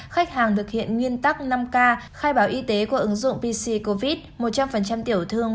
khách hàng thực hiện nguyên tắc năm k khai báo y tế qua ứng dụng pc covid một trăm linh tiểu thương